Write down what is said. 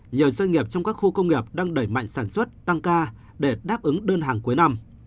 nhiều doanh nghiệp trong các khu công nghiệp đang đẩy mạnh sản xuất tăng ca để đáp ứng đơn hàng cuối năm